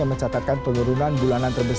yang mencatatkan penurunan bulanan tersebut